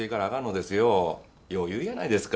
よう言うやないですか。